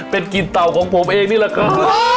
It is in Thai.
เป็นกลิ่นเต่าของผมเองนี่แหละครับ